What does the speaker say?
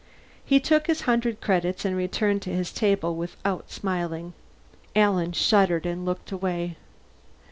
He took his hundred credits and returned to his table without smiling. Alan shuddered and looked away.